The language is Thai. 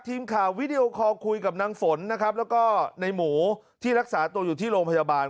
ทีมข่าววิดีโอคอลคุยกับนางฝนนะครับแล้วก็ในหมูที่รักษาตัวอยู่ที่โรงพยาบาล